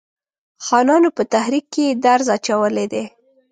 خانانو په تحریک کې درز اچولی دی.